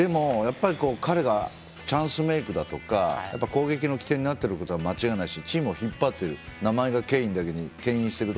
彼がチャンスメイクだとか攻撃の起点になっていることは間違いないですしチームを引っ張っている名前がケインだけにけん引している。